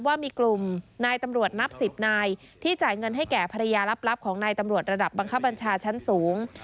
ว่ามีกลุ่มนายตำรวจนับสิบนายที่จ่ายเงินให้แก่ภรรยาลับของนายตำรวจระดับบังคับบัญชาชั้นสูง